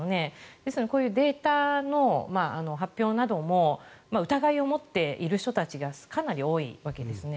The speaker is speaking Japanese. ですのでこういうデータの発表なども疑いを持っている人たちがかなり多いわけですよね。